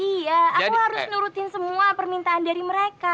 iya aku harus nurutin semua permintaan dari mereka